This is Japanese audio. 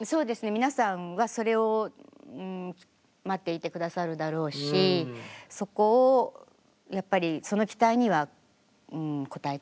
皆さんはそれを待っていてくださるだろうしそこをやっぱりその期待には応えたいっていう気持ちでしたね。